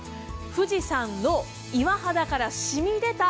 富士山の岩肌から染み出た